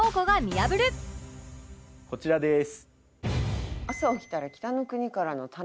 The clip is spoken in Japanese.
こちらです。